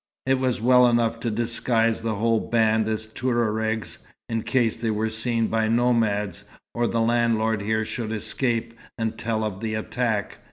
It was well enough to disguise the whole band as Touaregs, in case they were seen by nomads, or the landlord here should escape, and tell of the attack.